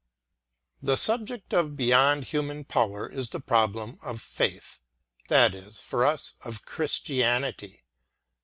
The subject of Beyond Human Power is the prob lem of Faith ; that is, for us, of Christianity.